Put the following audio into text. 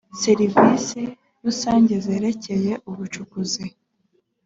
serivisi rusange zerekeye ubucukuzi